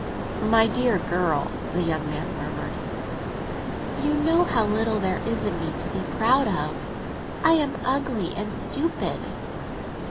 "My dear girl!" the young man murmured. "You know how little there is in me to be proud of. I am ugly and stupid."